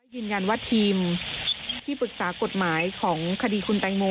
ยืนยันว่าทีมที่ปรึกษากฎหมายของคดีคุณแตงโม